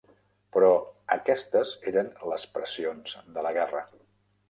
Però aquestes eren les pressions de la guerra.